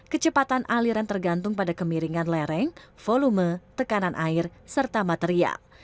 kecepatan aliran tergantung pada kemiringan lereng volume tekanan air serta material